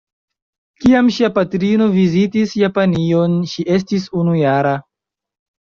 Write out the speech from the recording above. Kiam ŝia patrino vizitis Japanion, ŝi estis unujara.